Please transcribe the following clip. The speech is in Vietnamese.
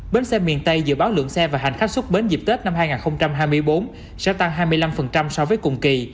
bến xe miền tây dự báo lượng xe và hành khách xuất bến dịp tết năm hai nghìn hai mươi bốn sẽ tăng hai mươi năm so với cùng kỳ